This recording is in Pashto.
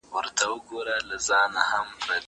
زه بايد امادګي ونيسم!؟